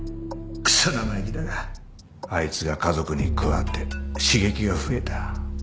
くそ生意気だがあいつが家族に加わって刺激が増えた。